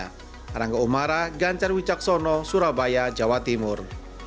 harangga umara ganjar wijaksono surabaya jawa timur